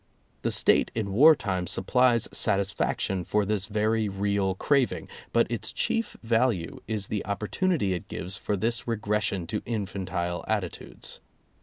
The State in wartime sup plies satisfaction for this very real craving, but its chief value is the opportunity it gives for this regression to infantile attitudes.